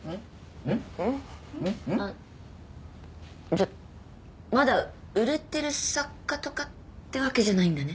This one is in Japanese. じゃあまだ売れてる作家とかってわけじゃないんだね？